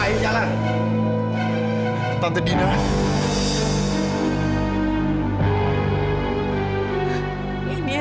melakukan semua ini sama mama